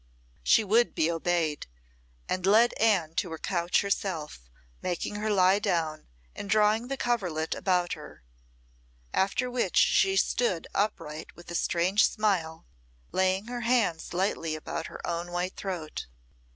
She would be obeyed, and led Anne to her couch herself, making her lie down, and drawing the coverlet about her; after which she stood upright with a strange smile, laying her hands lightly about her own white throat.